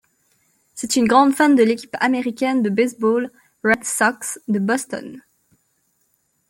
C'est une grande fan de l'équipe américaine de baseball Red Sox de Boston.